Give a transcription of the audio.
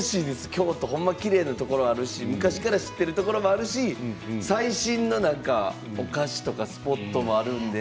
京都ほんまにきれいなところあるので昔から知っているところもあるし最新のお菓子とかスポットもあるので。